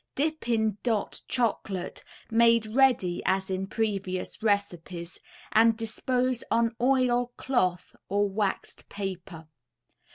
Dip in "Dot" Chocolate, made ready as in previous recipes, and dispose on oil cloth or waxed paper.